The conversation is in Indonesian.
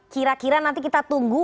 kira kira nanti kita tunggu